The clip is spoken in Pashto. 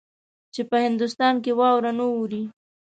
چې په هندوستان کې واوره نه اوري.